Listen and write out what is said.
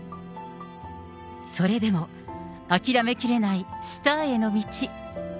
それでも、諦めきれないスターへの道。